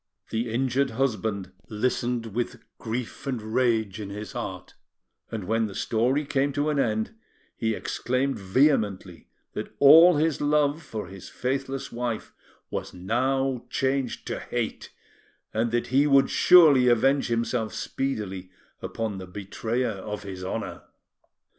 The injured husband listened with grief and rage in his heart, and when the story came to an end, he exclaimed vehemently that all his love for his faithless wife was now changed to hate, and that he would surely avenge himself speedily upon the betrayer of his honour.